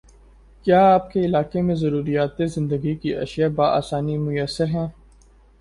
کیا آپ کے علاقے میں ضروریاتِ زندگی کی اشیاء باآسانی میسر ہیں؟